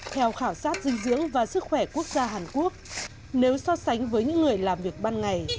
theo khảo sát dinh dưỡng và sức khỏe quốc gia hàn quốc nếu so sánh với những người làm việc ban ngày